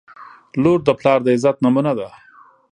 • لور د پلار د عزت نمونه ده.